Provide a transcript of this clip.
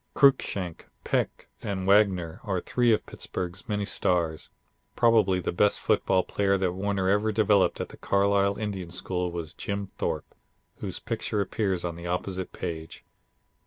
Cruikshank, Peck, and Wagner are three of Pittsburgh's many stars. Probably the greatest football player that Warner ever developed at the Carlisle Indian School was Jim Thorpe, whose picture appears on the opposite page.